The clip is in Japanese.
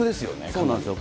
そうなんですよ。